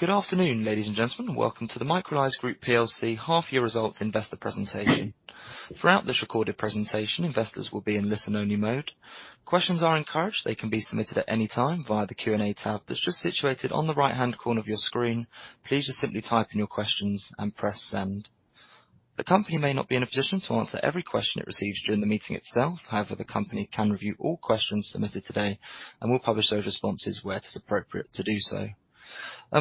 Good afternoon, ladies and gentlemen. Welcome to the Microlise Group PLC half-year results investor presentation. Throughout this recorded presentation, investors will be in listen-only mode. Questions are encouraged. They can be submitted at any time via the Q&A tab that's just situated on the right-hand corner of your screen. Please just simply type in your questions and press Send. The company may not be in a position to answer every question it receives during the meeting itself. However, the company can review all questions submitted today, and we'll publish those responses where it is appropriate to do so.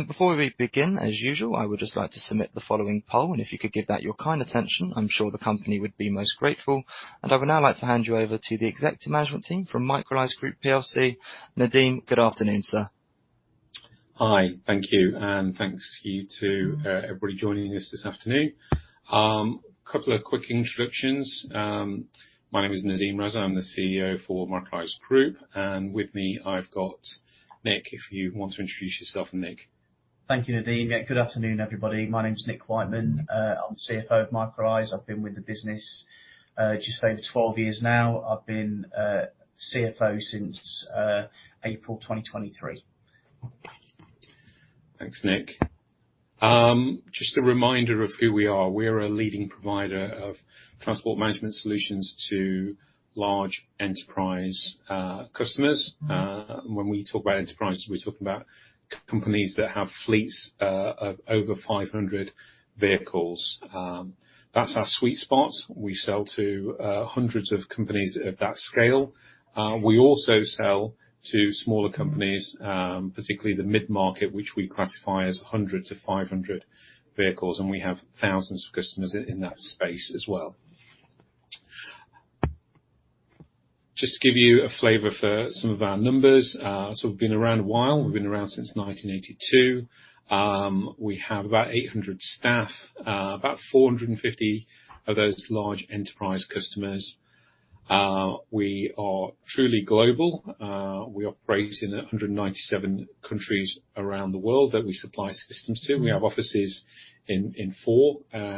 Before we begin, as usual, I would just like to submit the following poll, and if you could give that your kind attention, I'm sure the company would be most grateful, and I would now like to hand you over to the executive management team from Microlise Group PLC, Nadeem, good afternoon, sir. Hi. Thank you, and thanks to you too, everybody joining us this afternoon. A couple of quick introductions. My name is Nadeem Raza. I'm the CEO for Microlise Group, and with me, I've got Nick. If you want to introduce yourself, Nick. Thank you, Nadeem. Yeah, good afternoon, everybody. My name is Nick Wightman. I'm CFO of Microlise. I've been with the business, just over 12 years now. I've been CFO since April 2023. Thanks, Nick. Just a reminder of who we are. We are a leading provider of transport management solutions to large enterprise customers. When we talk about enterprises, we're talking about companies that have fleets of over 500 hundred vehicles. That's our sweet spot. We sell to hundreds of companies at that scale. We also sell to smaller companies, particularly the mid-market, which we classify as 100 to 500 vehicles, and we have thousands of customers in that space as well. Just to give you a flavor for some of our numbers, so we've been around a while. We've been around since 1982. We have about 800 staff, about 450 of those large enterprise customers. We are truly global. We operate in 197 countries around the world that we supply systems to. We have offices in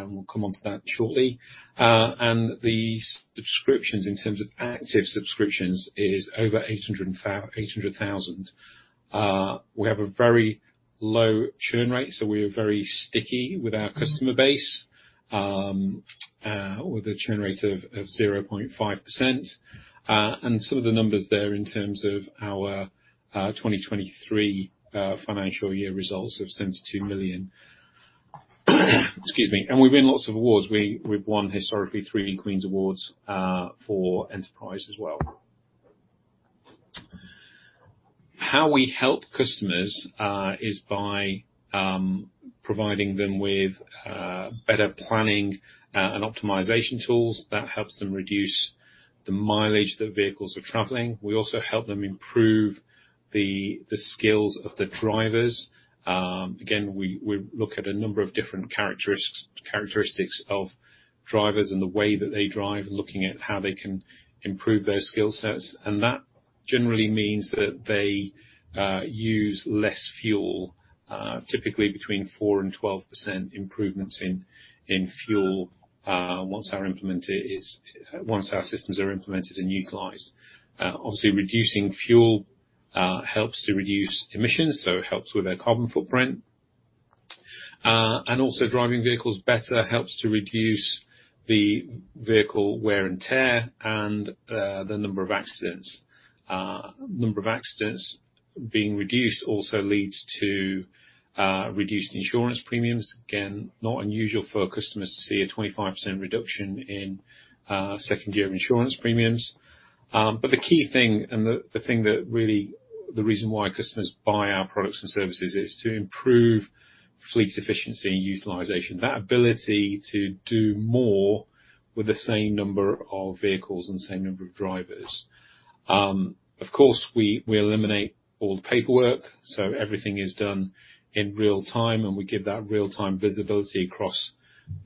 four. We'll come onto that shortly. And the subscriptions, in terms of active subscriptions, is over 800,000. We have a very low churn rate, so we are very sticky with our customer base, with a churn rate of 0.5%. And some of the numbers there in terms of our 2023 financial year results of 72 million. Excuse me. We win lots of awards. We've won, historically, three Queen's Awards for Enterprise as well. How we help customers is by providing them with better planning and optimization tools. That helps them reduce the mileage that vehicles are traveling. We also help them improve the skills of the drivers. Again, we look at a number of different characteristics of drivers and the way that they drive, looking at how they can improve their skill sets. And that generally means that they use less fuel, typically between 4% and 12% improvements in fuel once our systems are implemented and utilized. Obviously, reducing fuel helps to reduce emissions, so it helps with their carbon footprint. And also, driving vehicles better helps to reduce the vehicle wear and tear and the number of accidents. Number of accidents being reduced also leads to reduced insurance premiums. Again, not unusual for our customers to see a 25% reduction in second year of insurance premiums. But the key thing, and the thing that really - the reason why customers buy our products and services, is to improve fleet efficiency and utilization. That ability to do more with the same number of vehicles and same number of drivers. Of course, we eliminate all the paperwork, so everything is done in real time, and we give that real-time visibility across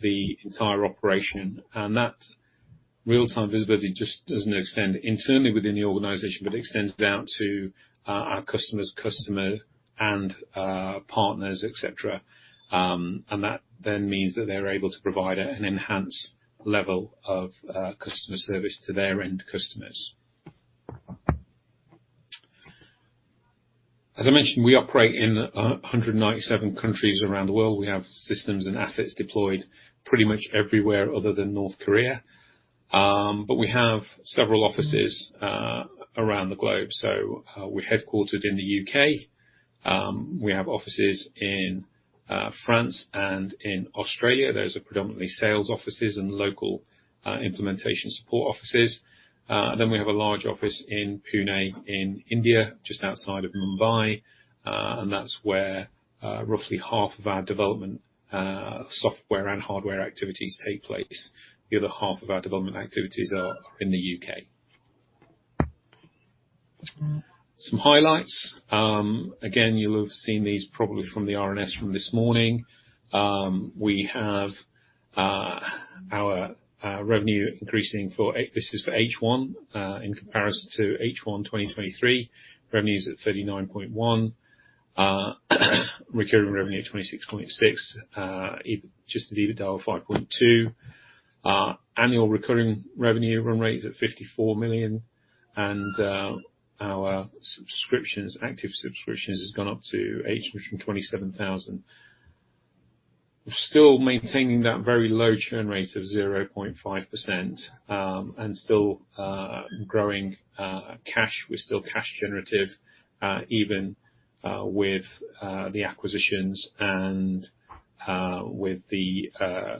the entire operation. And that real-time visibility just doesn't extend internally within the organization, but it extends down to our customer's customer and partners, et cetera. And that then means that they're able to provide an enhanced level of customer service to their end customers. As I mentioned, we operate in a 197 countries around the world. We have systems and assets deployed pretty much everywhere other than North Korea. But we have several offices around the globe, so we're headquartered in the U.K. We have offices in France and in Australia. Those are predominantly sales offices and local implementation support offices. Then we have a large office in Pune, in India, just outside of Mumbai, and that's where roughly half of our development software and hardware activities take place. The other half of our development activities are in the U.K. Some highlights. Again, you'll have seen these probably from the RNS from this morning. We have our revenue increasing. This is for H1. In comparison to H1 2023, revenue is at 39.1. Recurring revenue at 26.6. EBITDA, 5.2. Annual recurring revenue run rate is at 54 million. Our subscriptions, active subscriptions, has gone up to 827,000. We're still maintaining that very low churn rate of 0.5%, and still growing cash. We're still cash generative, even with the acquisitions and with the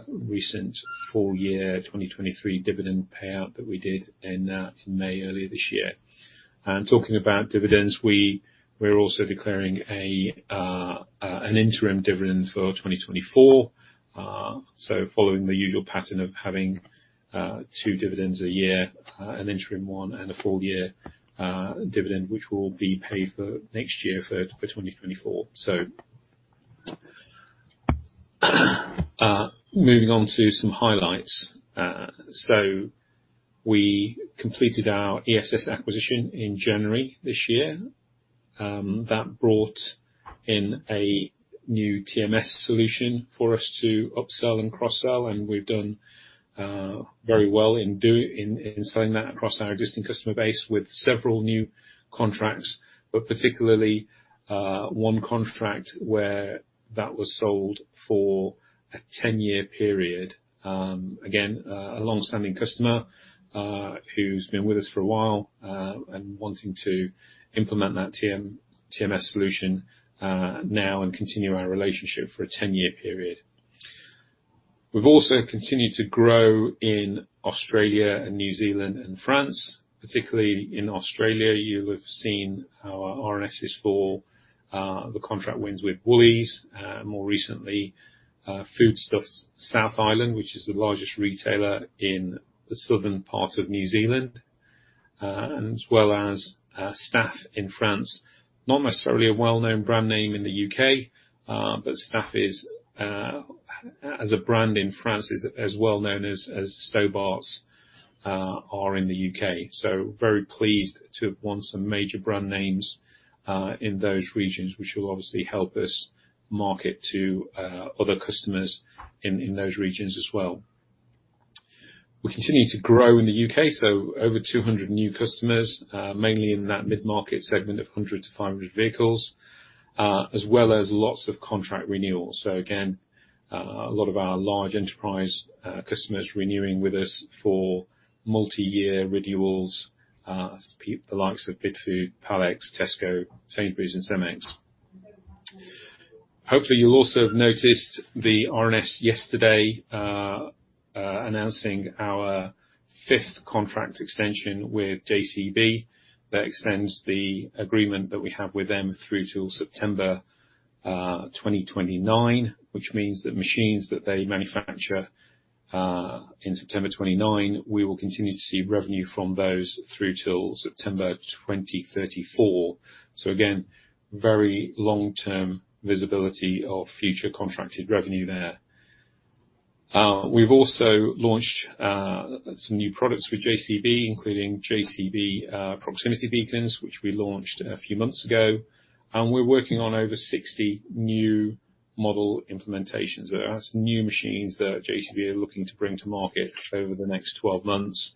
recent full-year 2023 dividend payout that we did in May earlier this year. Talking about dividends, we're also declaring an interim dividend for 2024. So following the usual pattern of having two dividends a year, an interim one, and a full-year dividend, which will be paid for next year for 2024. So, moving on to some highlights. We completed our ESS acquisition in January this year. That brought in a new TMS solution for us to upsell and cross-sell, and we've done very well in selling that across our existing customer base with several new contracts, but particularly, one contract where that was sold for a 10-year period. Again, a long-standing customer who's been with us for a while and wanting to implement that TMS solution now, and continue our relationship for a 10-year period. We've also continued to grow in Australia and New Zealand and France, particularly in Australia. You'll have seen our RNSs for the contract wins with Woolies, more recently, Foodstuffs South Island, which is the largest retailer in the southern part of New Zealand, and as well as, STEF in France. Not necessarily a well-known brand name in the UK, but STEF is, as a brand in France, as well known as Stobart's are in the UK. Very pleased to have won some major brand names in those regions, which will obviously help us market to other customers in those regions as well. We continue to grow in the UK, so over 200 new customers, mainly in that mid-market segment of 100-500 vehicles, as well as lots of contract renewals. Again, a lot of our large enterprise customers renewing with us for multiyear renewals, the likes of Bidfood, Pall-Ex, Tesco, Sainsbury's and Cemex. Hopefully, you'll also have noticed the RNS yesterday, announcing our fifth contract extension with JCB. That extends the agreement that we have with them through till September 2029, which means that machines that they manufacture in September 2029, we will continue to see revenue from those through till September 2034. So again, very long-term visibility of future contracted revenue there. We've also launched some new products with JCB, including JCB proximity beacons, which we launched a few months ago, and we're working on over 60 new model implementations. That's new machines that JCB are looking to bring to market over the next 12 months,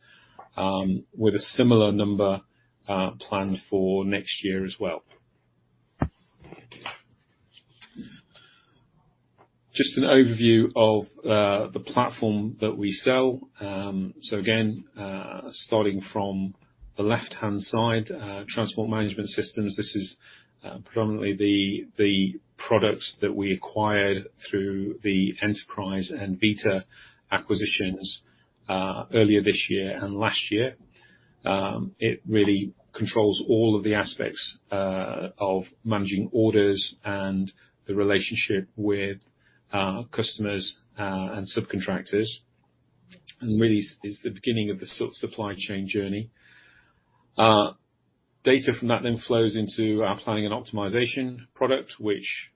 with a similar number planned for next year as well. Just an overview of the platform that we sell. So again, starting from the left-hand side, transport management systems, this is predominantly the products that we acquired through the Enterprise and Vita acquisitions, earlier this year and last year. It really controls all of the aspects of managing orders and the relationship with customers and subcontractors, and really is the beginning of the supply chain journey. Data from that then flows into our planning and optimization product, which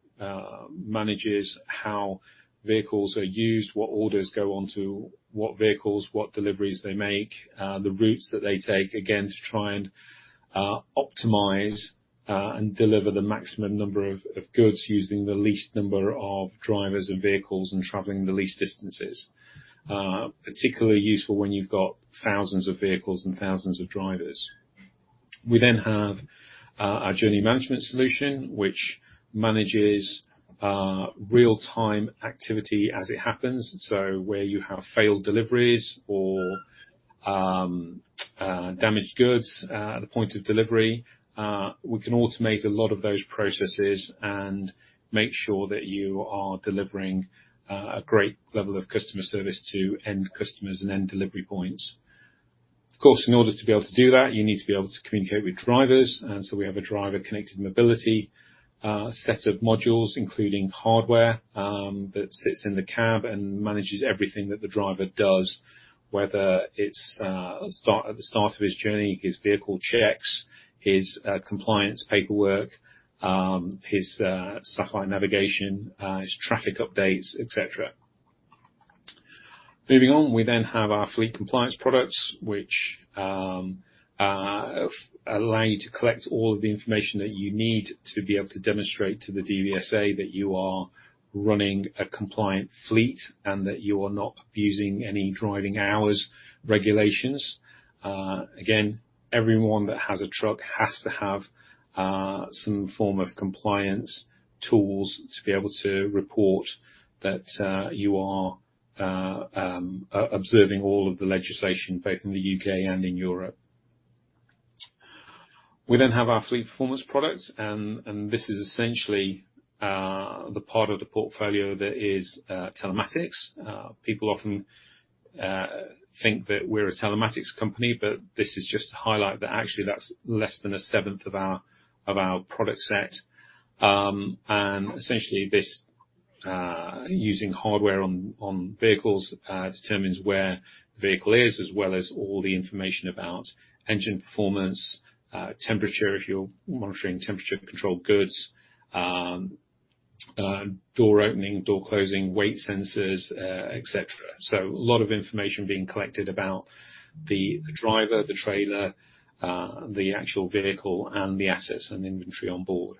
manages how vehicles are used, what orders go onto what vehicles, what deliveries they make, the routes that they take, again, to try and optimize and deliver the maximum number of goods using the least number of drivers and vehicles and traveling the least distances. Particularly useful when you've got thousands of vehicles and thousands of drivers. We then have our journey management solution, which manages real-time activity as it happens. So where you have failed deliveries or damaged goods at the point of delivery, we can automate a lot of those processes and make sure that you are delivering a great level of customer service to end customers and end delivery points. Of course, in order to be able to do that, you need to be able to communicate with drivers, and so we have a driver connected mobility set of modules, including hardware, that sits in the cab and manages everything that the driver does, whether it's at the start of his journey, his vehicle checks, his compliance paperwork, his satellite navigation, his traffic updates, et cetera. Moving on, we then have our fleet compliance products, which allow you to collect all of the information that you need to be able to demonstrate to the DVSA that you are running a compliant fleet and that you are not abusing any driving hours regulations. Again, everyone that has a truck has to have some form of compliance tools to be able to report that you are observing all of the legislation, both in the UK and in Europe. We then have our fleet performance products, and this is essentially the part of the portfolio that is telematics. People often think that we're a telematics company, but this is just to highlight that actually, that's less than a seventh of our product set. And essentially, this using hardware on vehicles determines where the vehicle is, as well as all the information about engine performance, temperature, if you're monitoring temperature-controlled goods, door opening, door closing, weight sensors, et cetera. So a lot of information being collected about the driver, the trailer, the actual vehicle, and the assets and inventory on board.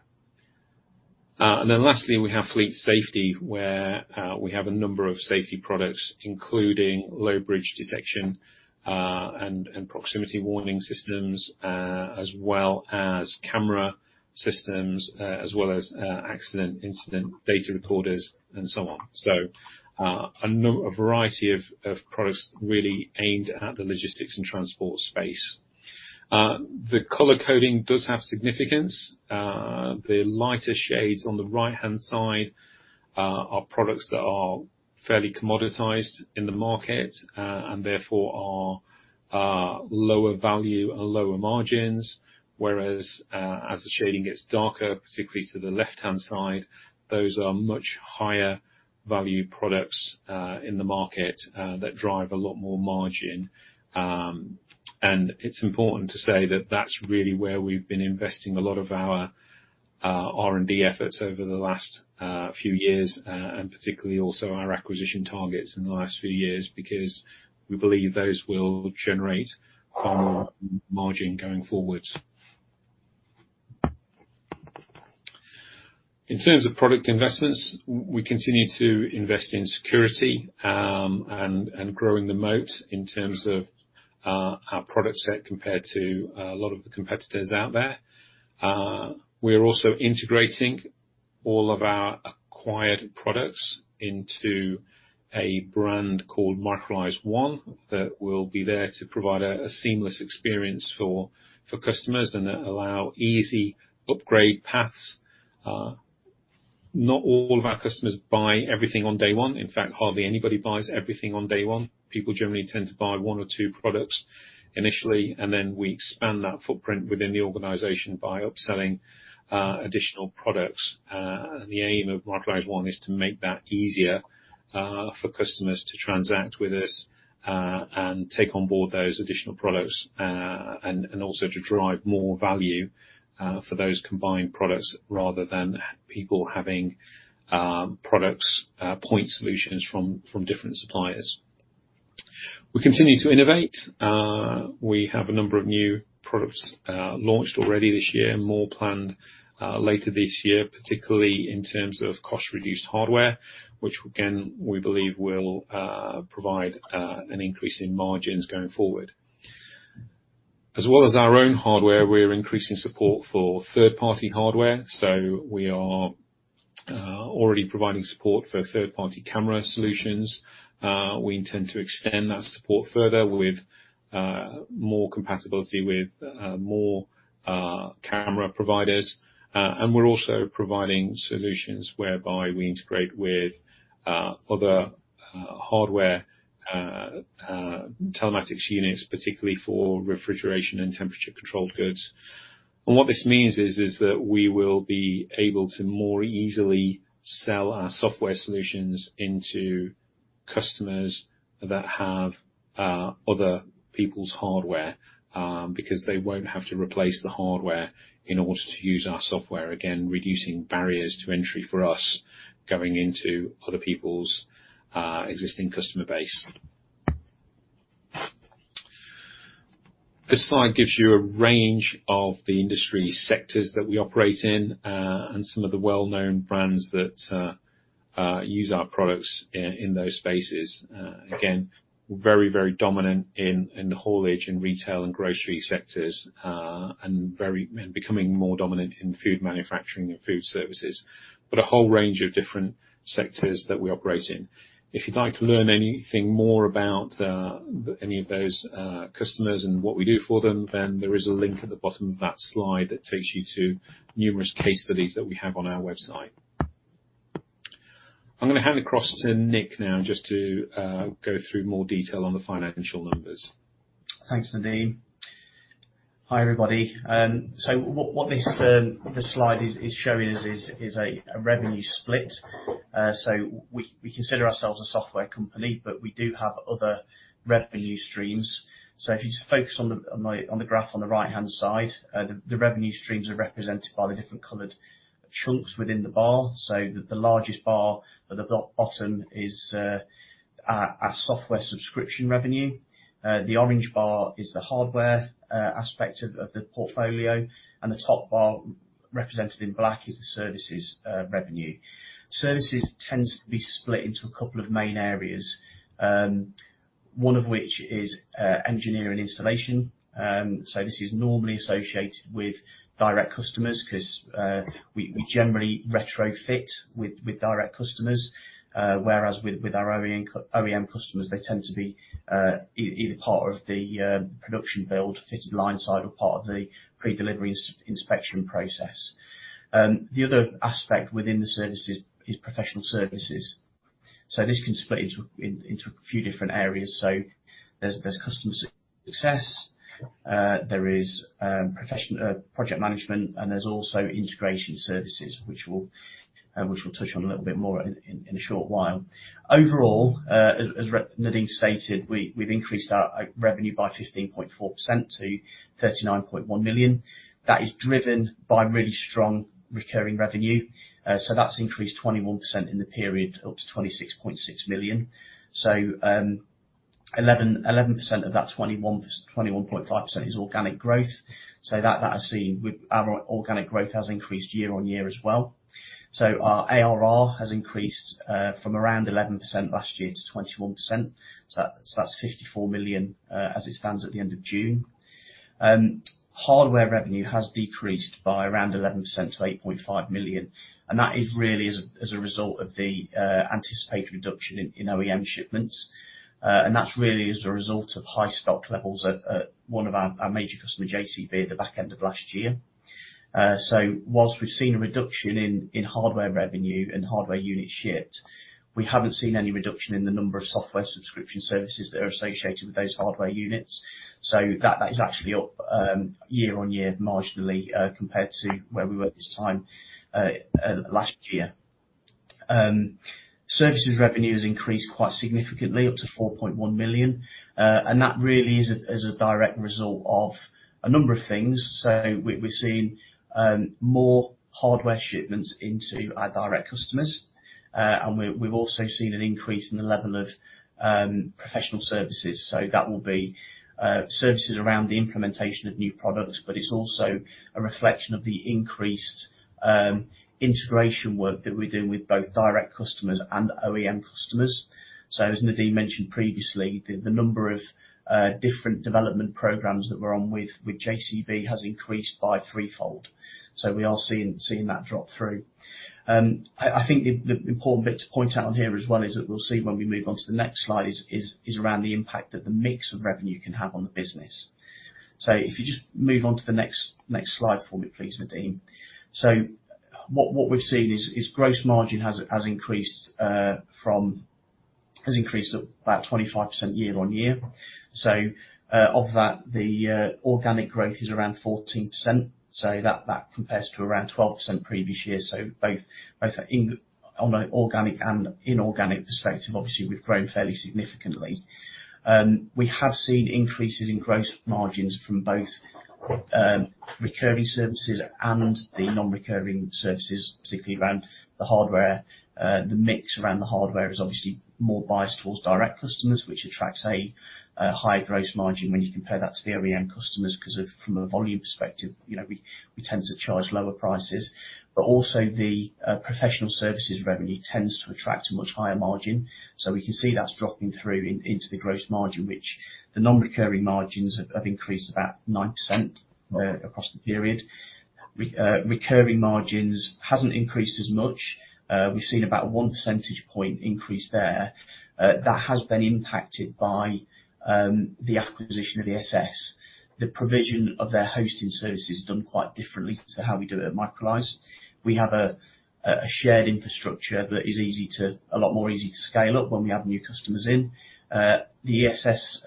And then lastly, we have fleet safety, where we have a number of safety products, including low bridge detection, and proximity warning systems, as well as camera systems, as well as accident incident data recorders and so on. So a variety of products really aimed at the logistics and transport space. The color coding does have significance. The lighter shades on the right-hand side are products that are fairly commoditized in the market, and therefore are lower value and lower margins. Whereas, as the shading gets darker, particularly to the left-hand side, those are much higher value products in the market that drive a lot more margin. It's important to say that that's really where we've been investing a lot of our R&D efforts over the last few years, and particularly also our acquisition targets in the last few years, because we believe those will generate far more margin going forward. In terms of product investments, we continue to invest in security, and growing the moat in terms of our product set compared to a lot of the competitors out there. We're also integrating all of our acquired products into a brand called Microlise 1, that will be there to provide a seamless experience for customers and allow easy upgrade paths. Not all of our customers buy everything on day one. In fact, hardly anybody buys everything on day one. People generally tend to buy one or two products initially, and then we expand that footprint within the organization by upselling additional products. And the aim of Microlise 1 is to make that easier for customers to transact with us and take on board those additional products, and also to drive more value for those combined products rather than people having products point solutions from different suppliers. We continue to innovate. We have a number of new products launched already this year, more planned later this year, particularly in terms of cost-reduced hardware, which again, we believe will provide an increase in margins going forward. As well as our own hardware, we're increasing support for third-party hardware, so we are already providing support for third-party camera solutions. We intend to extend that support further with more compatibility with more camera providers. And we're also providing solutions whereby we integrate with other hardware telematics units, particularly for refrigeration and temperature-controlled goods. And what this means is that we will be able to more easily sell our software solutions into customers that have other people's hardware because they won't have to replace the hardware in order to use our software. Again, reducing barriers to entry for us going into other people's existing customer base. This slide gives you a range of the industry sectors that we operate in, and some of the well-known brands that use our products in those spaces. Again, very, very dominant in the haulage and retail and grocery sectors, and becoming more dominant in food manufacturing and food services, but a whole range of different sectors that we operate in. If you'd like to learn anything more about any of those customers and what we do for them, then there is a link at the bottom of that slide that takes you to numerous case studies that we have on our website. I'm gonna hand across to Nick now, just to go through more detail on the financial numbers. Thanks, Nadeem. Hi, everybody. So what this slide is showing us is a revenue split. So we consider ourselves a software company, but we do have other revenue streams. So if you focus on the graph on the right-hand side, the revenue streams are represented by the different colored chunks within the bar. So the largest bar at the bottom is our software subscription revenue. The orange bar is the hardware aspect of the portfolio, and the top bar, represented in black, is the services revenue. Services tends to be split into a couple of main areas, one of which is engineering installation. So this is normally associated with direct customers, 'cause we generally retrofit with direct customers, whereas with our OEM customers, they tend to be either part of the production build, fitted line side or part of the pre-delivery inspection process. The other aspect within the services is professional services. This can split into a few different areas. So there's customer success, there is professional project management, and there's also integration services, which we'll touch on a little bit more in a short while. Overall, as Nadeem stated, we've increased our revenue by 15.4% to 39.1 million. That is driven by really strong recurring revenue. That's increased 21% in the period, up to 26.6 million. 11% of that 21.5% is organic growth. Our organic growth has increased year on year as well. Our ARR has increased from around 11% last year to 21%. That's 54 million as it stands at the end of June. Hardware revenue has decreased by around 11% to 8.5 million, and that is really as a result of the anticipated reduction in OEM shipments. And that's really as a result of high stock levels at one of our major customer, JCB, at the back end of last year. So while we've seen a reduction in hardware revenue and hardware units shipped, we haven't seen any reduction in the number of software subscription services that are associated with those hardware units. So that is actually up year-on-year, marginally compared to where we were at this time last year. Services revenue has increased quite significantly, up to 4.1 million, and that really is as a direct result of a number of things. So we've seen more hardware shipments into our direct customers, and we've also seen an increase in the level of professional services. So that will be services around the implementation of new products, but it's also a reflection of the increased integration work that we're doing with both direct customers and OEM customers. As Nadeem mentioned previously, the number of different development programs that we're on with JCB has increased by threefold. So we are seeing that drop through. I think the important bit to point out on here as well is that we'll see when we move on to the next slide is around the impact that the mix of revenue can have on the business. So if you just move on to the next slide for me, please, Nadeem. So what we've seen is gross margin has increased about 25% year-on-year. So of that, the organic growth is around 14%, so that compares to around 12% previous year. So both in on an organic and inorganic perspective, obviously, we've grown fairly significantly. We have seen increases in gross margins from both recurring services and the non-recurring services, particularly around the hardware. The mix around the hardware is obviously more biased towards direct customers, which attracts a higher gross margin when you compare that to the OEM customers, 'cause, from a volume perspective, you know, we tend to charge lower prices. But also the professional services revenue tends to attract a much higher margin. So we can see that's dropping through into the gross margin, which the non-recurring margins have increased about 9%, across the period. Recurring margins hasn't increased as much. We've seen about one percentage point increase there. That has been impacted by the acquisition of ESS. The provision of their hosting service is done quite differently to how we do it at Microlise. We have a shared infrastructure that is a lot more easy to scale up when we have new customers in. The ESS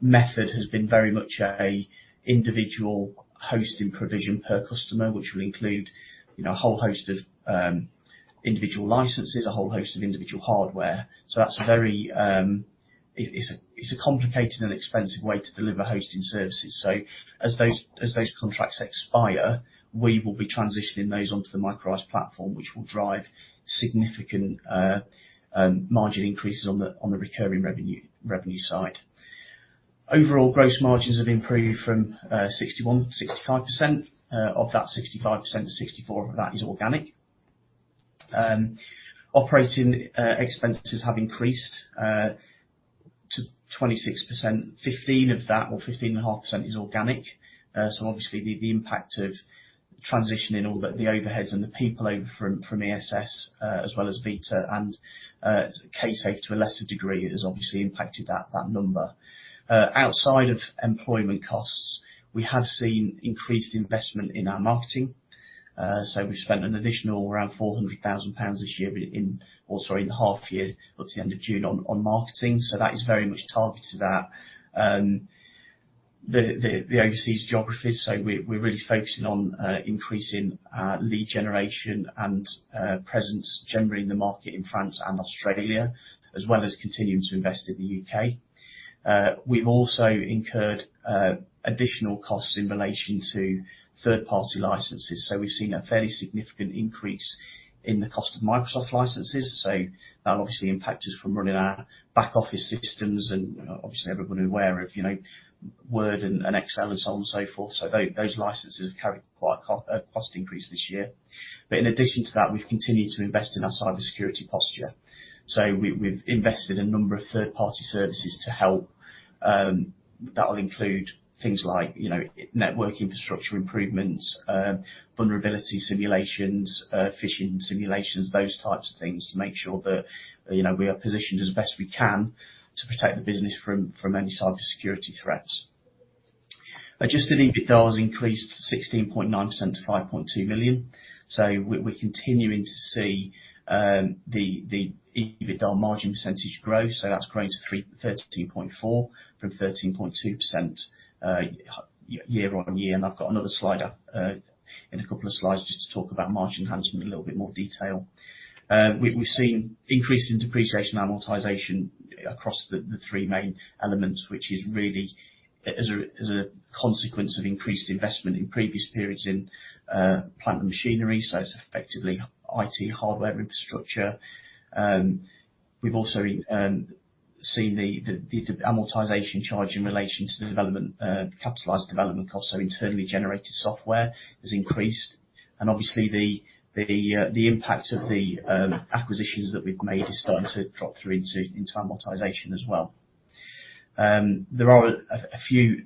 method has been very much a individual hosting provision per customer, which will include, you know, a whole host of individual licenses, a whole host of individual hardware. So that's a very. It is a complicated and expensive way to deliver hosting services. So as those contracts expire, we will be transitioning those onto the Microlise platform, which will drive significant margin increases on the recurring revenue side. Overall, gross margins have improved from 61% to 65%. Of that 65%, 64% of that is organic. Operating expenses have increased to 26%. 15% of that, or 15.5% is organic. So obviously the impact of transitioning all the overheads and the people over from ESS, as well as Vita and K-Safe, to a lesser degree, has obviously impacted that number. Outside of employment costs, we have seen increased investment in our marketing. So we've spent an additional around 400,000 pounds this year, but in the half year, up to the end of June, on marketing. So that is very much targeted to that overseas geographies. So we're really focusing on increasing lead generation and presence generally in the market in France and Australia, as well as continuing to invest in the UK. We've also incurred additional costs in relation to third-party licenses, so we've seen a fairly significant increase in the cost of Microsoft licenses. So that obviously impacted us from running our back office systems and, obviously, everyone aware of, you know, Word and, and Excel, and so on and so forth. So those licenses carry quite a cost increase this year. But in addition to that, we've continued to invest in our cybersecurity posture. So we, we've invested in a number of third-party services to help. That will include things like, you know, network infrastructure improvements, vulnerability simulations, phishing simulations, those types of things, to make sure that, you know, we are positioned as best we can, to protect the business from any cybersecurity threats. Adjusted EBITDA has increased 16.9% to 5.2 million. So we're continuing to see the EBITDA margin percentage growth, so that's grown to 13.4% from 13.2% year-on-year. And I've got another slide up in a couple of slides, just to talk about margin enhancement in a little bit more detail. We've seen increase in depreciation amortization across the three main elements, which is really as a consequence of increased investment in previous periods in plant and machinery, so it's effectively IT hardware infrastructure. We've also seen the amortization charge in relation to the development capitalized development costs, so internally generated software has increased. And obviously the impact of the acquisitions that we've made is starting to drop through into amortization as well. There are a few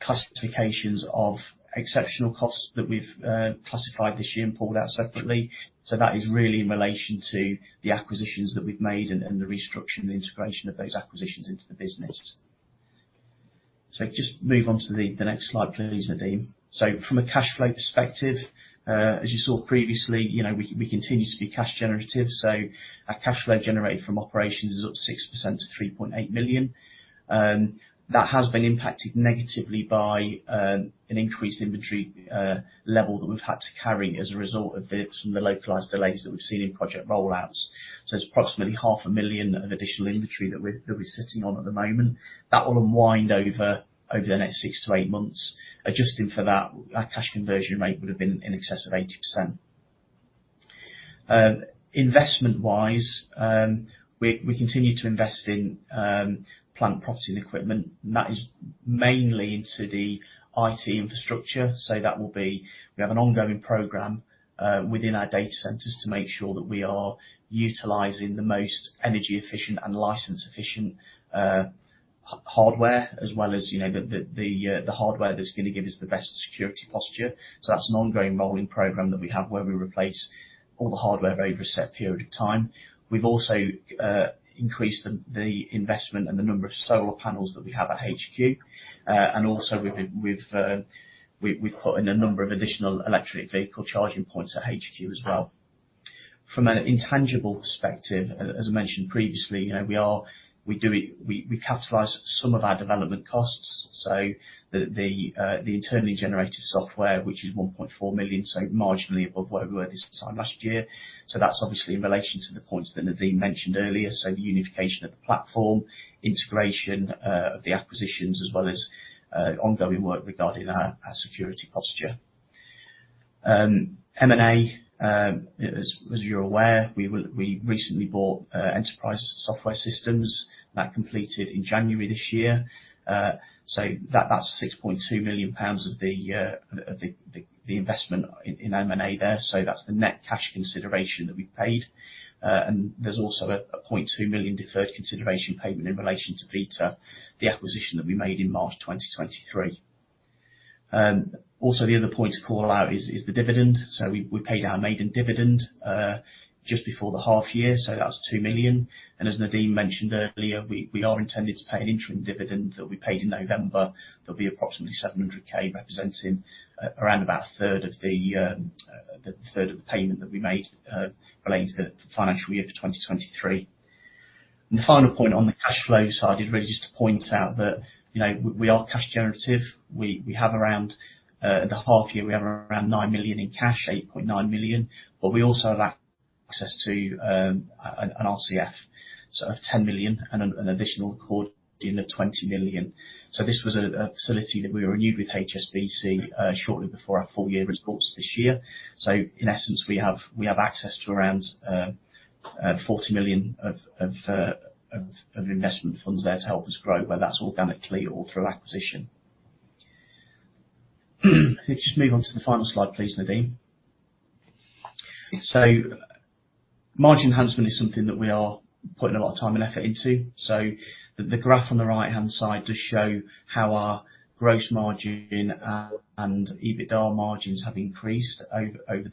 classifications of exceptional costs that we've classified this year and pulled out separately. So that is really in relation to the acquisitions that we've made and the restructuring and integration of those acquisitions into the business. So just move on to the next slide, please, Nadeem. So from a cash flow perspective, as you saw previously, you know, we continue to be cash generative, so our cash flow generated from operations is up 6% to 3.8 million. That has been impacted negatively by an increased inventory level that we've had to carry as a result of some of the localized delays that we've seen in project rollouts. So it's approximately 500,000 of additional inventory that we're sitting on at the moment. That will unwind over the next six to eight months. Adjusting for that, our cash conversion rate would have been in excess of 80%. Investment-wise, we continue to invest in plant, property and equipment, and that is mainly into the IT infrastructure. So that will be... We have an ongoing program within our data centers, to make sure that we are utilizing the most energy efficient and license efficient hardware, as well as, you know, the hardware that's gonna give us the best security posture. So that's an ongoing rolling program that we have, where we replace all the hardware over a set period of time. We've also increased the investment and the number of solar panels that we have at HQ. And also, we've put in a number of additional electric vehicle charging points at HQ as well. From an intangible perspective, as I mentioned previously, you know, we do capitalize some of our development costs, so the internally generated software, which is 1.4 million, so marginally above where we were this time last year. So that's obviously in relation to the points that Nadeem mentioned earlier. So the unification of the platform, integration of the acquisitions, as well as ongoing work regarding our security posture. M&A, as you're aware, we recently bought Enterprise Software Systems. That completed in January this year. So that's 6.2 million pounds of the investment in M&A there. That's the net cash consideration that we paid. And there's also a 0.2 million deferred consideration payment in relation to Vita, the acquisition that we made in March 2023. Also, the other point to call out is the dividend. So we, we paid our maiden dividend, just before the half year, so that's 2 million. And as Nadeem mentioned earlier, we, we are intending to pay an interim dividend, that will be paid in November. That'll be approximately 700,000, representing around about 1/3 of the payment that we made, relating to the financial year for 2023. And the final point on the cash flow side is really just to point out that, you know, we are cash generative. We have around 9 million in cash at the half year, 8.9 million, but we also have access to an RCF of 10 million and an additional accordion in the 20 million. So this was a facility that we renewed with HSBC shortly before our full year results this year. So in essence, we have access to around 40 million of investment funds there to help us grow, whether that's organically or through acquisition. Can you just move on to the final slide, please, Nadeem? So margin enhancement is something that we are putting a lot of time and effort into. So the graph on the right-hand side does show how our gross margin and EBITDA margins have increased over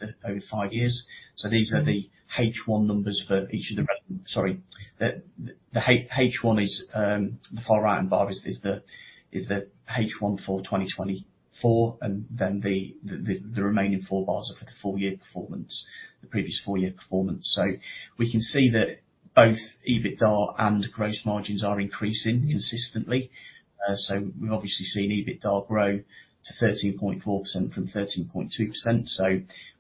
five years. So these are the H1 numbers. The far right-hand bar is the H1 for 2024, and then the remaining four bars are for the full year performance, the previous full year performance. So we can see that both EBITDA and gross margins are increasing consistently. So we've obviously seen EBITDA grow to 13.4% from 13.2%, so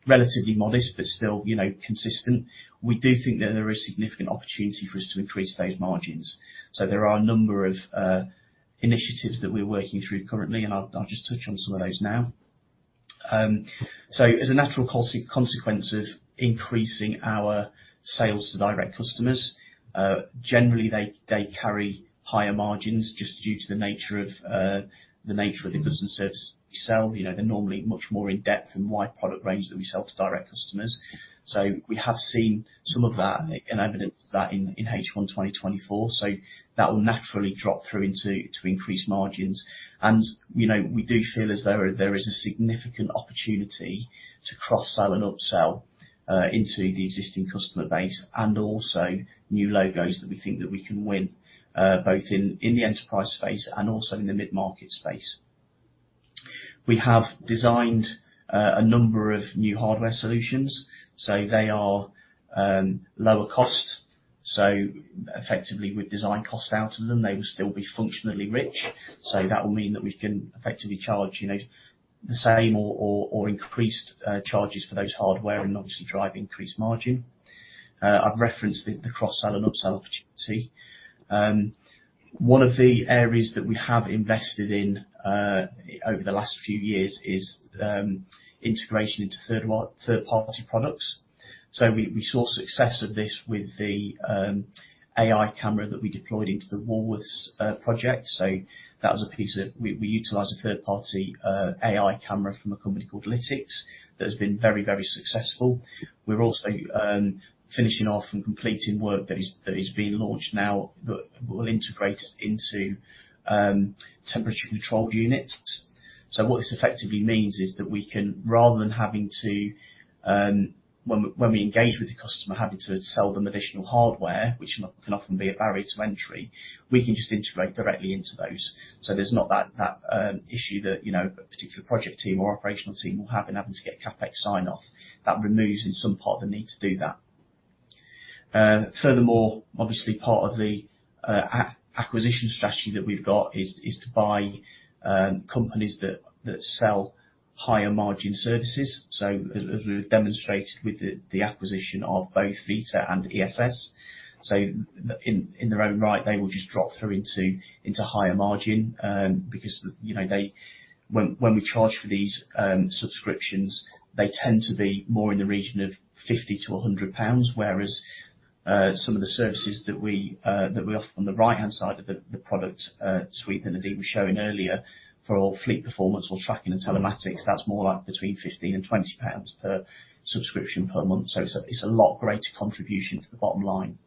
relatively modest, but still, you know, consistent. We do think that there is significant opportunity for us to increase those margins. So there are a number of initiatives that we're working through currently, and I'll just touch on some of those now. So as a natural consequence of increasing our sales to direct customers, generally, they carry higher margins just due to the nature of the businesses we sell. You know, they're normally much more in-depth and wide product range than we sell to direct customers. So we have seen some of that, and evidence of that in H1 2024. So that will naturally drop through into to increase margins. And, you know, we do feel as though there is a significant opportunity to cross-sell and upsell into the existing customer base, and also new logos that we think that we can win both in the enterprise space and also in the mid-market space. We have designed a number of new hardware solutions, so they are lower cost. So effectively, we've designed cost out of them. They will still be functionally rich, so that will mean that we can effectively charge, you know, the same or increased charges for those hardware and obviously drive increased margin. I've referenced the cross-sell and upsell opportunity. One of the areas that we have invested in over the last few years is integration into third-party products. So we saw success of this with the AI camera that we deployed into the Woolworths project. So that was a piece that we utilized a third-party AI camera from a company called Lytx. That has been very, very successful. We're also finishing off and completing work that is being launched now, that will integrate into temperature-controlled units. So what this effectively means is that we can, rather than having to... When we engage with the customer, having to sell them additional hardware, which can often be a barrier to entry, we can just integrate directly into those. So there's not that issue that, you know, a particular project team or operational team will have in having to get CapEx sign-off. That removes, in some part, the need to do that. Furthermore, obviously, part of the acquisition strategy that we've got is to buy companies that sell higher margin services. We've demonstrated with the acquisition of both Vita and ESS. In their own right, they will just drop through into higher margin, because, you know, they. When we charge for these subscriptions, they tend to be more in the region of 50-100 pounds, whereas some of the services that we offer on the right-hand side of the product suite that Nadeem was showing earlier, for all fleet performance or tracking and telematics, that's more like between 15 and 20 pounds per subscription per month. So it's a lot greater contribution to the bottom line.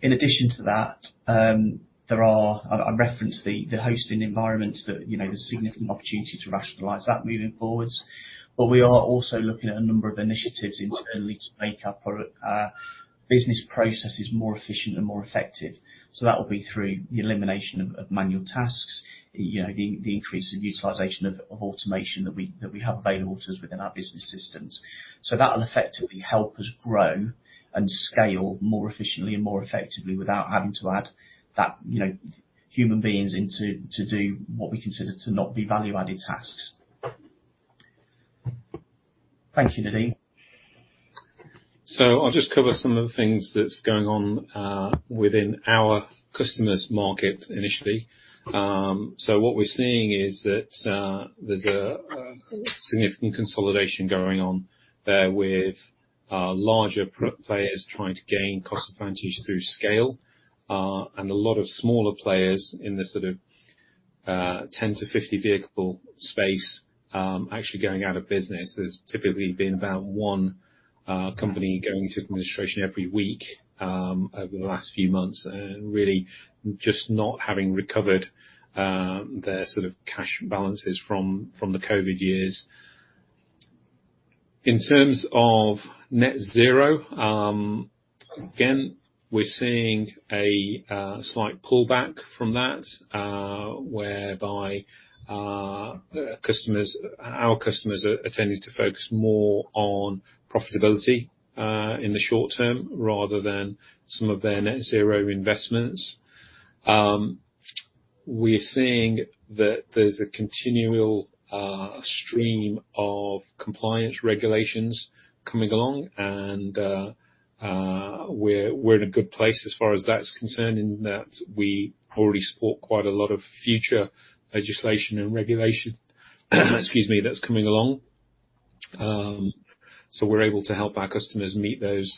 In addition to that, there are. I referenced the hosting environment that, you know, there's significant opportunity to rationalize that moving forwards. But we are also looking at a number of initiatives to make our business processes more efficient and more effective. So that will be through the elimination of manual tasks, you know, the increase in utilization of automation that we have available to us within our business systems. So that will effectively help us grow and scale more efficiently and more effectively without having to add that, you know, human beings in to do what we consider to not be value-added tasks. Thank you, Nadeem. I'll just cover some of the things that's going on within our customers' market initially. So what we're seeing is that there's a significant consolidation going on there with larger players trying to gain cost advantage through scale and a lot of smaller players in the sort of 10 to 50 vehicle space actually going out of business. There's typically been about one company going into administration every week over the last few months really just not having recovered their sort of cash balances from the Covid years. In terms of net zero, again, we're seeing a slight pullback from that whereby our customers are tending to focus more on profitability in the short term, rather than some of their net-zero investments. We're seeing that there's a continual stream of compliance regulations coming along, and we're in a good place as far as that's concerned, in that we already support quite a lot of future legislation and regulation, excuse me, that's coming along, so we're able to help our customers meet those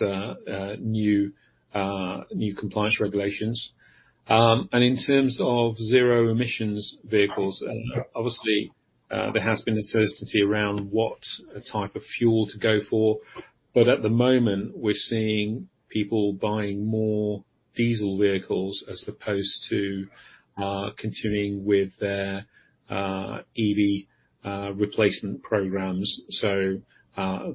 new compliance regulations, and in terms of zero emissions vehicles, obviously, there has been uncertainty around what type of fuel to go for, but at the moment, we're seeing people buying more diesel vehicles as opposed to continuing with their EV replacement programs, so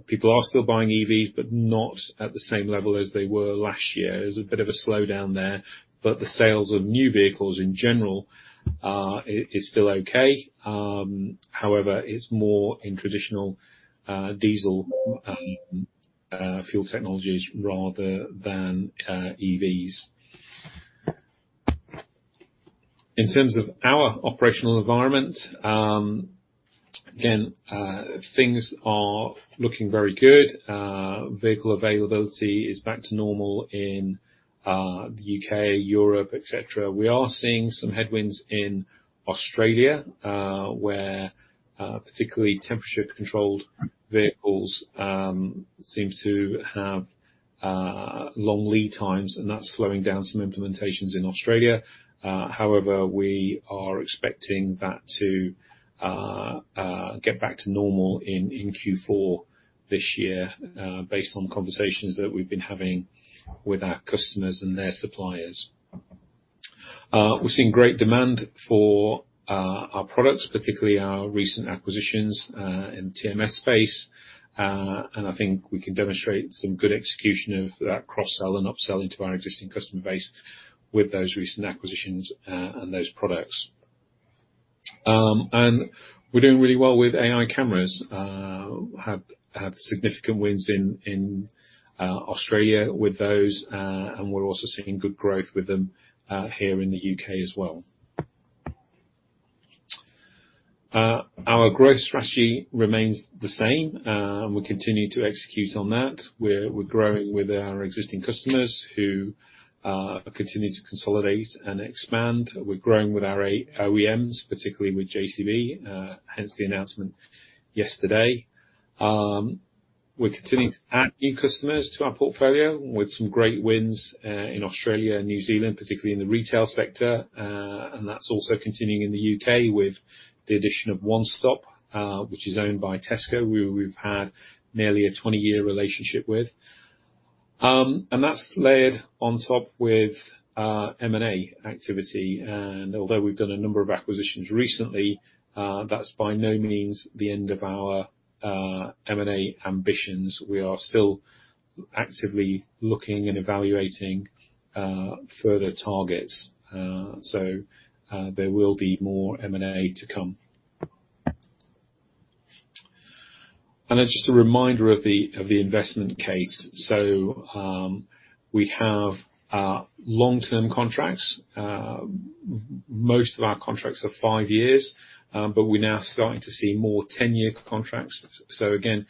people are still buying EVs, but not at the same level as they were last year. There's a bit of a slowdown there, but the sales of new vehicles in general is still okay. However, it's more in traditional diesel fuel technologies rather than EVs. In terms of our operational environment, again, things are looking very good. Vehicle availability is back to normal in the U.K., Europe, et cetera. We are seeing some headwinds in Australia, where particularly temperature-controlled vehicles seem to have long lead times, and that's slowing down some implementations in Australia. However, we are expecting that to get back to normal in Q4 this year, based on conversations that we've been having with our customers and their suppliers. We've seen great demand for our products, particularly our recent acquisitions in TMS space, and I think we can demonstrate some good execution of that cross-sell and up-sell into our existing customer base with those recent acquisitions and those products. We're doing really well with AI cameras. We have had significant wins in Australia with those, and we're also seeing good growth with them here in the UK as well. Our growth strategy remains the same, and we continue to execute on that. We're growing with our existing customers, who continue to consolidate and expand. We're growing with our OEMs, particularly with JCB, hence the announcement yesterday. We're continuing to add new customers to our portfolio, with some great wins in Australia and New Zealand, particularly in the retail sector. That's also continuing in the UK with the addition of One Stop, which is owned by Tesco. We've had nearly a 20-year relationship with. And that's layered on top with M&A activity, and although we've done a number of acquisitions recently, that's by no means the end of our M&A ambitions. We are still actively looking and evaluating further targets, so there will be more M&A to come, and then just a reminder of the investment case. We have long-term contracts. Most of our contracts are five years, but we're now starting to see more 10-year contracts, so again,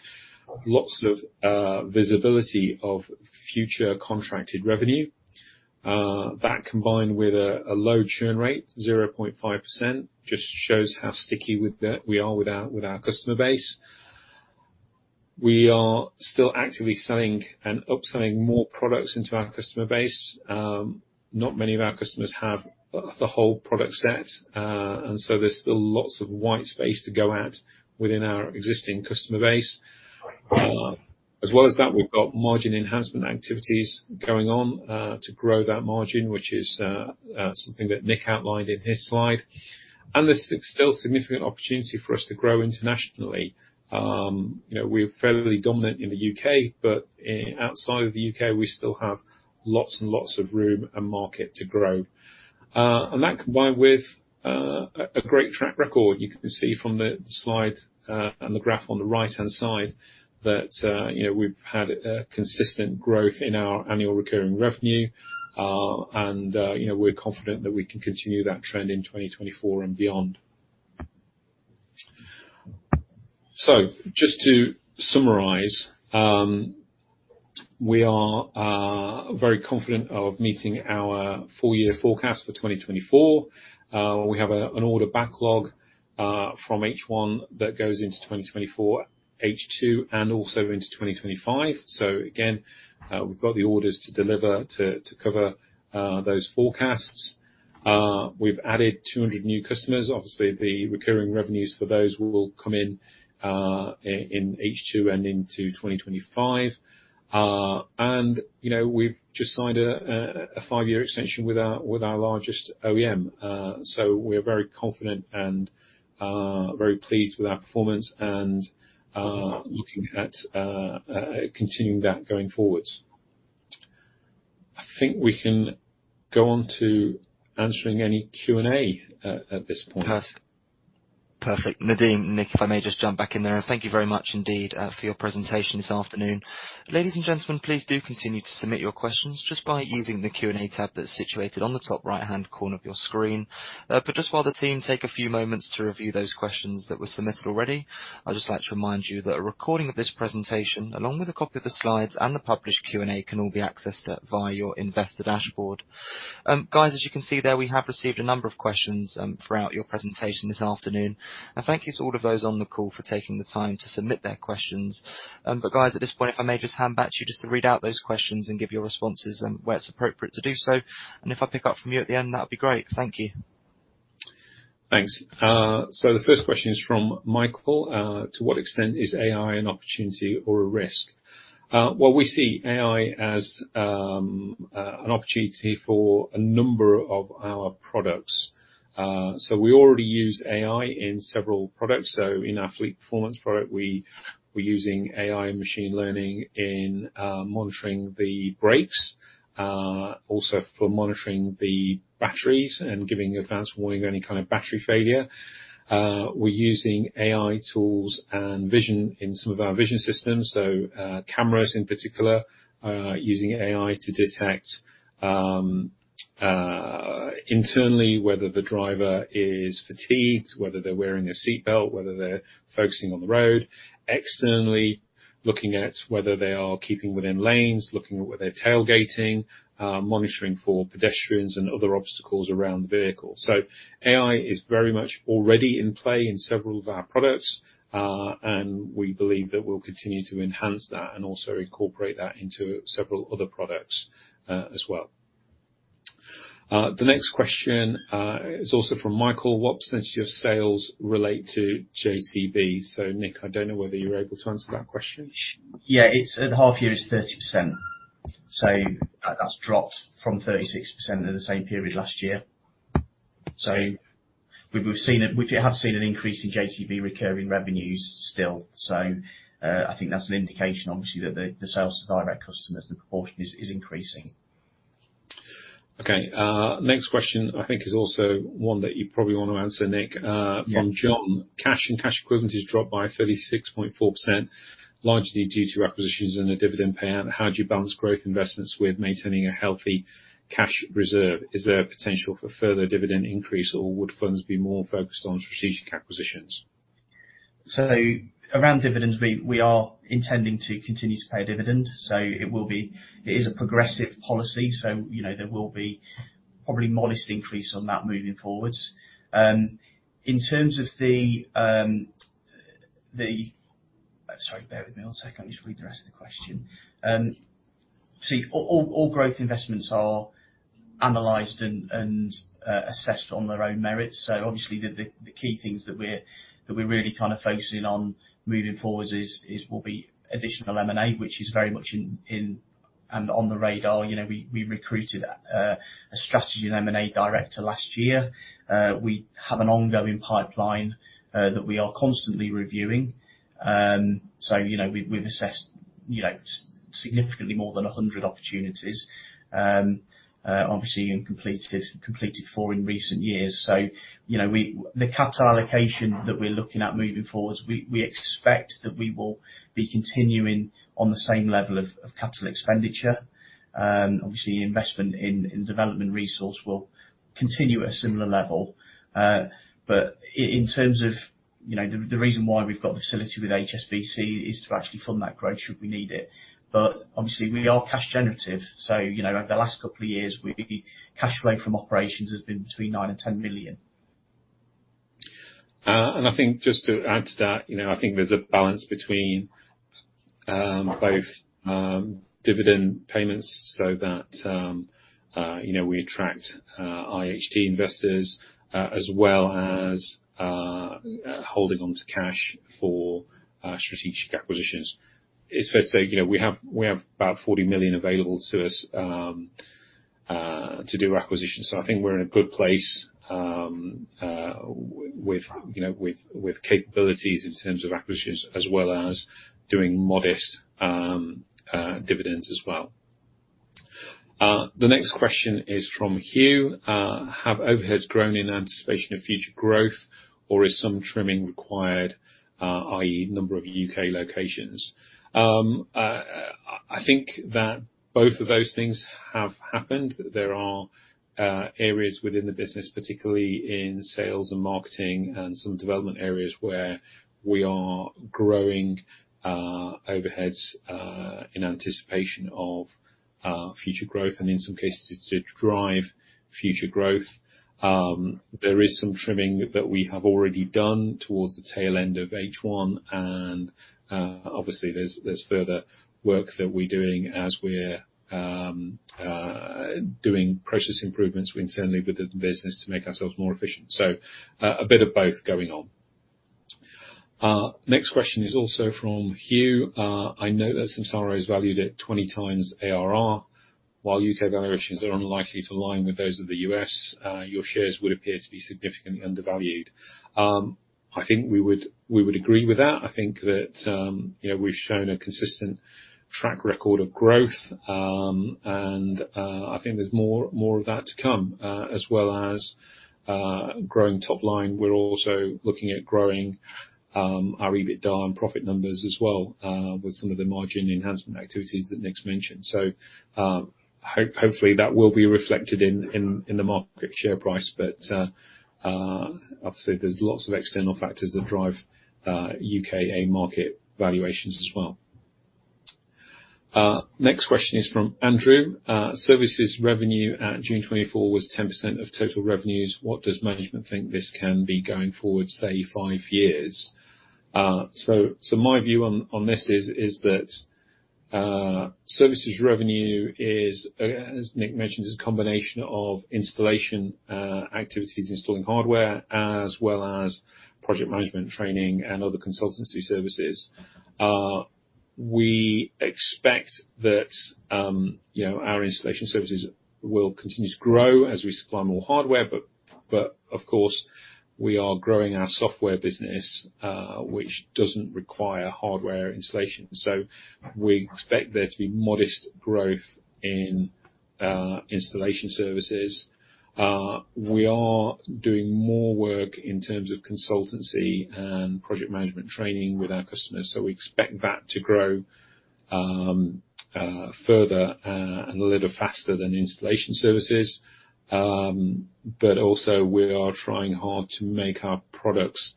lots of visibility of future contracted revenue. That combined with a low churn rate, 0.5%, just shows how sticky we are with our customer base. We are still actively selling and up-selling more products into our customer base. Not many of our customers have the whole product set, and so there's still lots of white space to go at within our existing customer base. As well as that, we've got margin enhancement activities going on, to grow that margin, which is, something that Nick outlined in his slide. And there's still significant opportunity for us to grow internationally. You know, we're fairly dominant in the U.K., but outside of the U.K., we still have lots and lots of room and market to grow. And that, combined with, a great track record, you can see from the slide, and the graph on the right-hand side, that, you know, we've had, consistent growth in our annual recurring revenue. And you know, we're confident that we can continue that trend in 2024 and beyond. So just to summarize, we are very confident of meeting our full year forecast for 2024. We have an order backlog from H1 that goes into 2024, H2, and also into 2025. So again, we've got the orders to deliver to cover those forecasts. We've added 200 new customers. Obviously, the recurring revenues for those will come in H2 and into 2025. And you know, we've just signed a five-year extension with our largest OEM. So we're very confident and very pleased with our performance and looking at continuing that going forward. I think we can go on to answering any Q&A at this point. Perfect. Nadeem, Nick, if I may just jump back in there. Thank you very much indeed for your presentation this afternoon. Ladies and gentlemen, please do continue to submit your questions just by using the Q&A tab that's situated on the top right-hand corner of your screen. But just while the team take a few moments to review those questions that were submitted already, I'd just like to remind you that a recording of this presentation, along with a copy of the slides and the published Q&A, can all be accessed via your investor dashboard. Guys, as you can see there, we have received a number of questions throughout your presentation this afternoon, and thank you to all of those on the call for taking the time to submit their questions. But guys, at this point, if I may just hand back to you just to read out those questions and give your responses, where it's appropriate to do so, and if I pick up from you at the end, that'd be great. Thank you. Thanks. So the first question is from Michael. To what extent is AI an opportunity or a risk? Well, we see AI as an opportunity for a number of our products. So we already use AI in several products. In our fleet performance product, we're using AI and machine learning in monitoring the brakes, also for monitoring the batteries and giving advanced warning of any kind of battery failure. We're using AI tools and vision in some of our vision systems, so cameras in particular, using AI to detect internally whether the driver is fatigued, whether they're wearing a seatbelt, whether they're focusing on the road. Externally, looking at whether they are keeping within lanes, looking at whether they're tailgating, monitoring for pedestrians and other obstacles around the vehicle. So AI is very much already in play in several of our products, and we believe that we'll continue to enhance that and also incorporate that into several other products, as well. The next question is also from Michael: What percentage of sales relate to JCB? So Nick, I don't know whether you're able to answer that question. Yeah, it's at half year, it's 30%. So that's dropped from 36% in the same period last year. So we've seen it - we have seen an increase in JCB recurring revenues still. So I think that's an indication, obviously, that the sales to direct customers, the proportion is increasing. Okay. Next question, I think, is also one that you probably want to answer, Nick. Yeah... from John. Cash and cash equivalents has dropped by 36.4%, largely due to acquisitions and a dividend payout. How do you balance growth investments with maintaining a healthy cash reserve? Is there a potential for further dividend increase, or would funds be more focused on strategic acquisitions? So around dividends, we are intending to continue to pay a dividend, so it will be—it is a progressive policy, so, you know, there will be probably modest increase on that moving forward. In terms of the, the—sorry, bear with me one second. I just read the rest of the question. So all growth investments are analyzed and assessed on their own merits. So obviously, the key things that we're really kind of focusing on moving forward is, will be additional M&A, which is very much in and on the radar. You know, we recruited a strategy and M&A director last year. We have an ongoing pipeline that we are constantly reviewing, so, you know, we've assessed significantly more than 100 opportunities, obviously, and completed four in recent years. So, you know, the capital allocation that we're looking at moving forward, we expect that we will be continuing on the same level of capital expenditure. Obviously, investment in development resource will continue at a similar level, but in terms of, you know, the reason why we've got the facility with HSBC is to actually fund that growth, should we need it. But obviously, we are cash generative, so you know, over the last couple of years, cash flow from operations has been between 9 million and 10 million. And I think just to add to that, you know, I think there's a balance between both dividend payments, so that you know, we attract IHT investors as well as holding onto cash for strategic acquisitions. It's fair to say, you know, we have about 40 million available to us to do acquisitions, so I think we're in a good place with you know, with capabilities in terms of acquisitions, as well as doing modest dividends as well. The next question is from Hugh: Have overheads grown in anticipation of future growth, or is some trimming required, i.e., number of UK locations? I think that both of those things have happened. There are areas within the business, particularly in sales and marketing, and some development areas, where we are growing overheads in anticipation of future growth, and in some cases, to drive future growth. There is some trimming that we have already done towards the tail end of H1, and obviously there's further work that we're doing as we're doing process improvements internally with the business to make ourselves more efficient. So, a bit of both going on. Next question is also from Hugh. I know that Samsara is valued at twenty times ARR. While UK valuations are unlikely to align with those of the US, your shares would appear to be significantly undervalued. I think we would agree with that. I think that, you know, we've shown a consistent track record of growth, and I think there's more of that to come. As well as growing top line, we're also looking at growing our EBITDA and profit numbers as well, with some of the margin enhancement activities that Nick's mentioned. So, hopefully, that will be reflected in the market share price, but obviously, there's lots of external factors that drive UK AIM market valuations as well. Next question is from Andrew. Services revenue at June 2024 was 10% of total revenues. What does management think this can be going forward, say, five years? So, my view on this is that...... Services revenue is, as Nick mentioned, is a combination of installation activities, installing hardware, as well as project management training and other consultancy services. We expect that, you know, our installation services will continue to grow as we supply more hardware, but of course, we are growing our software business, which doesn't require hardware installation, so we expect there to be modest growth in installation services. We are doing more work in terms of consultancy and project management training with our customers, so we expect that to grow further, and a little faster than installation services, but also, we are trying hard to make our products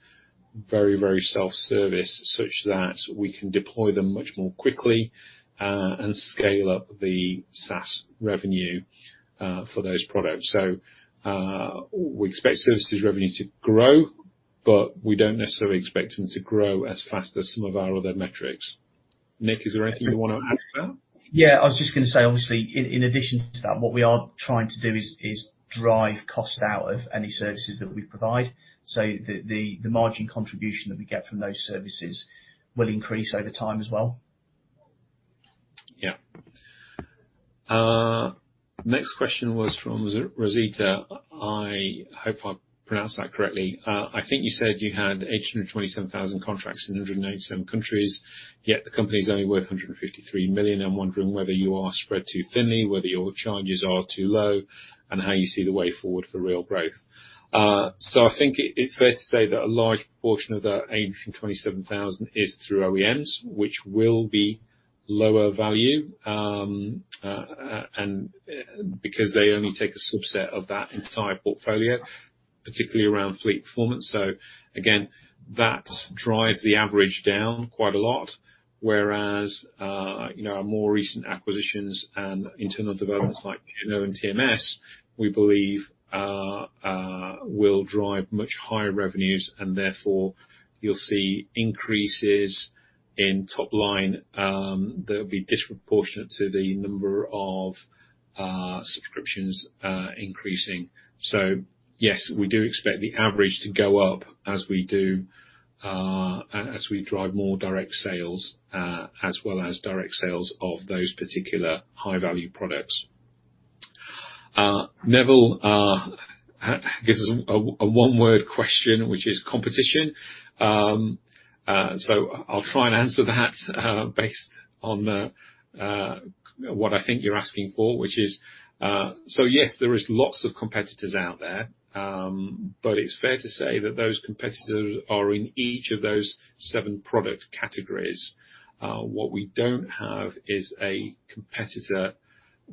very, very self-service, such that we can deploy them much more quickly, and scale up the SaaS revenue for those products. We expect services revenue to grow, but we don't necessarily expect them to grow as fast as some of our other metrics. Nick, is there anything you want to add to that? Yeah, I was just gonna say, obviously, in addition to that, what we are trying to do is drive cost out of any services that we provide. So the margin contribution that we get from those services will increase over time as well. Yeah. Next question was from Rosita. I hope I've pronounced that correctly. I think you said you had 827,000 contracts in 197 countries, yet the company is only worth 153 million. I'm wondering whether you are spread too thinly, whether your charges are too low, and how you see the way forward for real growth. So I think it's fair to say that a large portion of that 827,000 is through OEMs, which will be lower value, and because they only take a subset of that entire portfolio, particularly around fleet performance. So again, that drives the average down quite a lot, whereas, you know, our more recent acquisitions and internal developments like K-Now and TMS, we believe, will drive much higher revenues, and therefore you'll see increases in top line, that will be disproportionate to the number of, subscriptions, increasing. So yes, we do expect the average to go up as we do, as we drive more direct sales, as well as direct sales of those particular high-value products. Neville, gives us a one-word question, which is competition. So I'll try and answer that, based on the, what I think you're asking for, which is. So yes, there is lots of competitors out there, but it's fair to say that those competitors are in each of those seven product categories. What we don't have is a competitor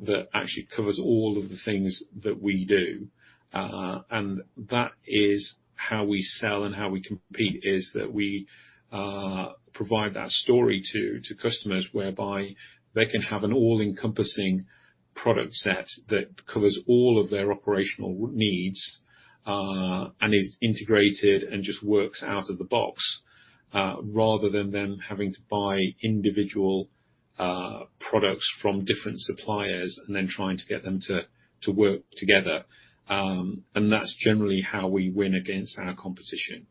that actually covers all of the things that we do, and that is how we sell and how we compete, is that we provide that story to customers, whereby they can have an all-encompassing product set that covers all of their operational needs, and is integrated and just works out of the box, rather than them having to buy individual products from different suppliers and then trying to get them to work together. And that's generally how we win against our competition.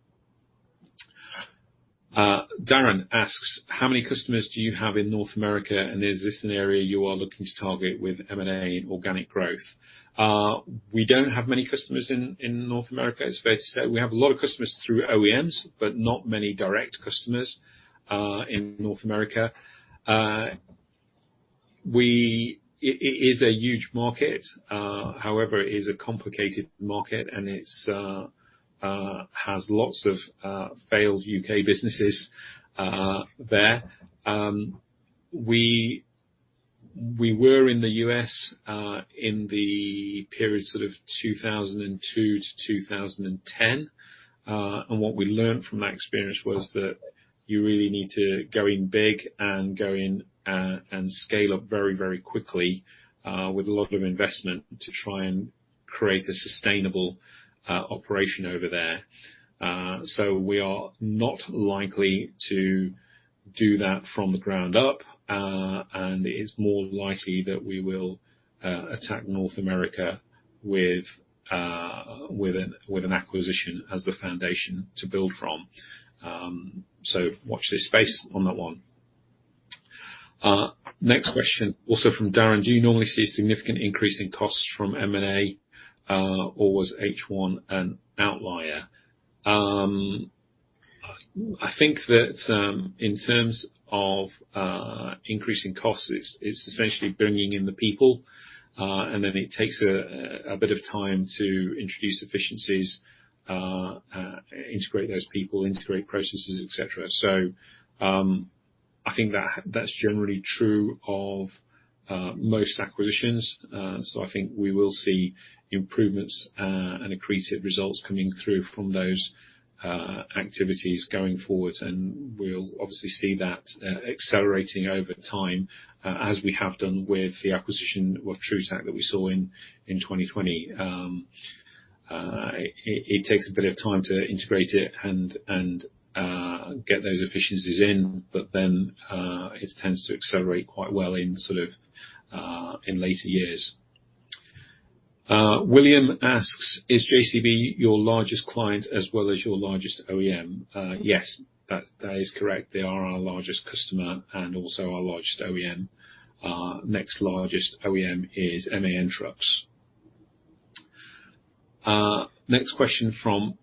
Darren asks: How many customers do you have in North America, and is this an area you are looking to target with M&A and organic growth? We don't have many customers in North America. It's fair to say, we have a lot of customers through OEMs, but not many direct customers in North America. It is a huge market, however, it is a complicated market, and it has lots of failed UK businesses there. We were in the US in the period sort of 2002 to 2010, and what we learned from that experience was that you really need to go in big and go in and scale up very, very quickly with a lot of investment, to try and create a sustainable operation over there. So we are not likely to do that from the ground up, and it is more likely that we will attack North America with an acquisition as the foundation to build from. So watch this space on that one. Next question, also from Darren: Do you normally see a significant increase in costs from M&A, or was H1 an outlier? I think that in terms of increasing costs, it's essentially bringing in the people, and then it takes a bit of time to introduce efficiencies, integrate those people, integrate processes, et cetera. So I think that that's generally true of most acquisitions, so I think we will see improvements and accretive results coming through from those activities going forward. We'll obviously see that accelerating over time as we have done with the acquisition of TruTac that we saw in 2020. It takes a bit of time to integrate it and get those efficiencies in, but then it tends to accelerate quite well in sort of in later years... William asks, "Is JCB your largest client as well as your largest OEM?" Yes, that is correct. They are our largest customer and also our largest OEM. Our next largest OEM is MAN Trucks. Next question from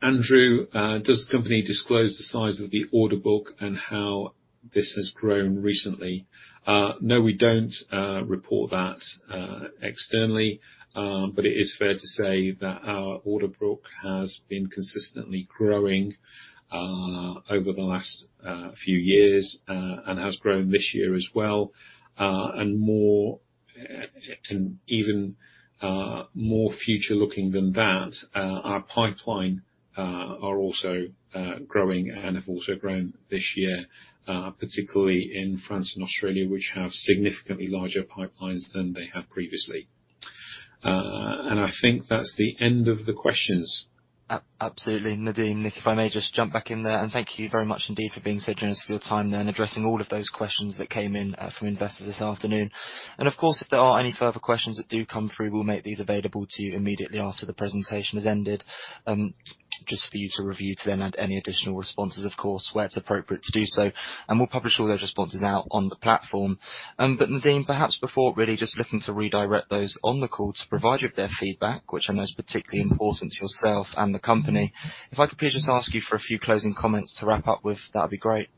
Andrew: "Does the company disclose the size of the order book and how this has grown recently?" No, we don't report that externally, but it is fair to say that our order book has been consistently growing over the last few years, and has grown this year as well, and more and even more future-looking than that, our pipeline are also growing and have also grown this year, particularly in France and Australia, which have significantly larger pipelines than they had previously. And I think that's the end of the questions. Absolutely, Nadeem. Nick, if I may just jump back in there, and thank you very much indeed for being so generous with your time then, addressing all of those questions that came in from investors this afternoon. And of course, if there are any further questions that do come through, we'll make these available to you immediately after the presentation has ended, just for you to review to then add any additional responses, of course, where it's appropriate to do so, and we'll publish all those responses out on the platform. But Nadeem, perhaps before really just looking to redirect those on the call to provide you with their feedback, which I know is particularly important to yourself and the company, if I could please just ask you for a few closing comments to wrap up with, that'd be great.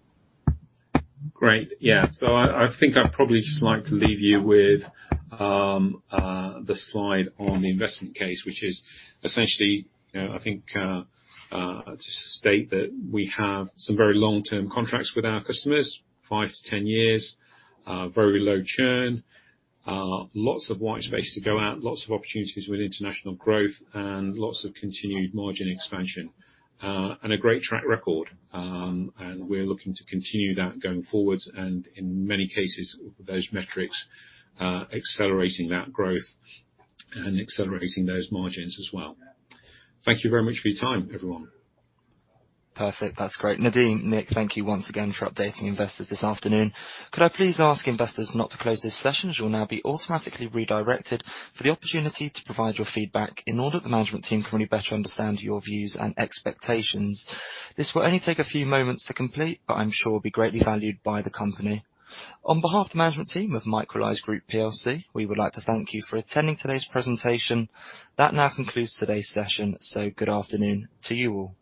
Great. Yeah, so I think I'd probably just like to leave you with the slide on the investment case, which is essentially, you know, I think, to state that we have some very long-term contracts with our customers, five to 10 years, very low churn, lots of white space to go out, lots of opportunities with international growth, and lots of continued margin expansion, and a great track record, and we're looking to continue that going forwards, and in many cases, those metrics, accelerating that growth and accelerating those margins as well. Thank you very much for your time, everyone. Perfect. That's great. Nadeem, Nick, thank you once again for updating investors this afternoon. Could I please ask investors not to close this session, as you'll now be automatically redirected for the opportunity to provide your feedback in order that the management team can really better understand your views and expectations? This will only take a few moments to complete, but I'm sure will be greatly valued by the company. On behalf of the management team of Microlise Group PLC, we would like to thank you for attending today's presentation. That now concludes today's session, so good afternoon to you all.